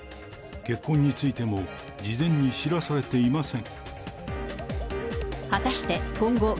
結婚についても、事前に知らされていません。